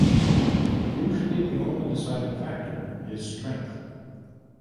Usually the only deciding factor is strength.